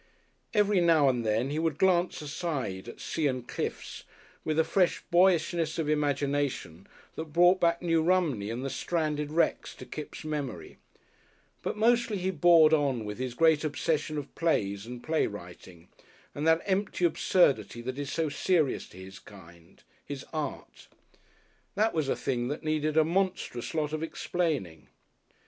Every now and then he would glance aside at sea and cliffs with a fresh boyishness of imagination that brought back New Romney and the stranded wrecks to Kipps' memory; but mostly he bored on with his great obsession of plays and playwriting, and that empty absurdity that is so serious to his kind, his Art. That was a thing that needed a monstrous lot of explaining.